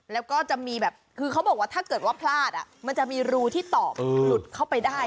แล้วก็จะมีแบบคือเขาบอกว่าถ้าเกิดว่าพลาดมันจะมีรูที่ตอกหลุดเข้าไปได้